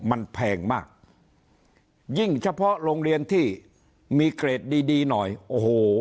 มันแพงมากยิ่งเฉพาะโรงเรียนที่มีเกรดดีดีหน่อยโอ้โห